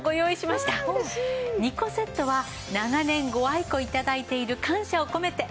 ２個セットは長年ご愛顧頂いている感謝を込めて。